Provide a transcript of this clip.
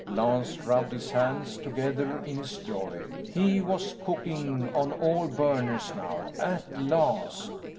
Lance rubbed his hands together in his joy. He was cooking on all burners, now. At last.